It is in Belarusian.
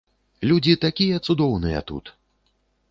Людзі такія цудоўныя тут!